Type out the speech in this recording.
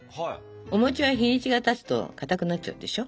お餅は日にちがたつとかたくなっちゃうでしょ？